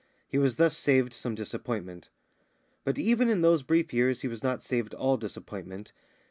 He was thus saved some disappointment. But even in those brief years he was not saved all disappointment.